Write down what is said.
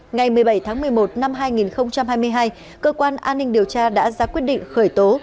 ngày một mươi bảy tháng một mươi một năm hai nghìn hai mươi hai cơ quan an ninh điều tra đã ra quyết định khởi tố